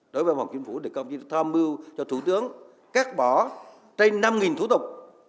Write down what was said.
đối với văn phòng chính phủ đại công chính phủ tham mưu cho thủ tướng cắt bỏ trên năm thủ tục